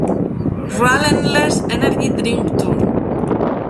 Relentless Energy Drink tour.